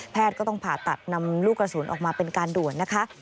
ก็ต้องผ่าตัดนำลูกกระสุนออกมาเป็นการด่วนนะคะ